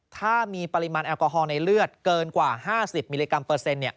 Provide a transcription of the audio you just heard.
ถ้ามีปริมาณแอลกอฮอล์ในเลือดเกินกว่า๕๐มิลลิกรัมเปอร์เซ็นต์